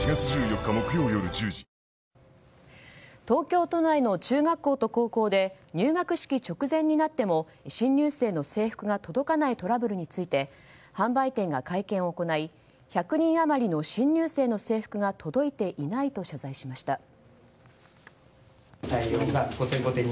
東京都内の中学校と高校で入学式直前になっても新入生の制服が届かないトラブルについて販売店が会見を行い１００人余りの新入生の制服が届いていないと謝罪しました。